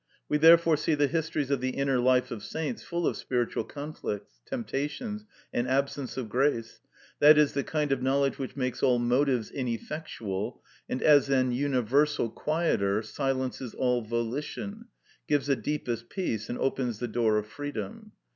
We therefore see the histories of the inner life of saints full of spiritual conflicts, temptations, and absence of grace, i.e., the kind of knowledge which makes all motives ineffectual, and as an universal quieter silences all volition, gives the deepest peace and opens the door of freedom.